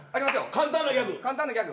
簡単なギャグ。